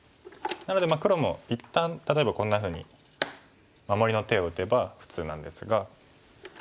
なので黒も一旦例えばこんなふうに守りの手を打てば普通なんですが。